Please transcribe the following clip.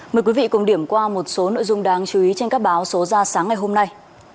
mời quý vị cùng điểm qua một số nội dung đáng chú ý trên các báo số ra sáng ngày hôm nay